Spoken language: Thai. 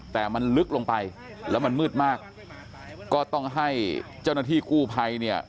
แต่มันลึกลงไปแล้วมันมืดมากก็ต้องให้เจ้าหน้าที่กู้ภัยเนี่ย